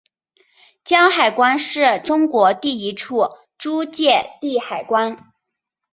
胶海关是中国第一处租借地海关。